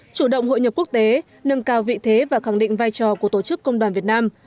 chủ động hội nhập quốc tế nâng cao vị thế và khẳng định vai trò của tổ chức công đoàn việt nam